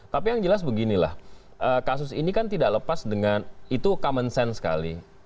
tapi yang jelas beginilah kasus ini kan tidak lepas dengan itu common sense sekali